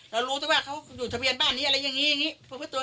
เรารู้ต้นว่าเขาอยู่ทะเบียนบ้านนี้อะไรอย่างงี้อย่างงี้เพื่อเพื่อตัว